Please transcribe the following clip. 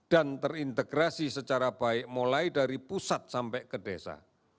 dan terintegrasi secara baik mulai dari pusat sampai ke desa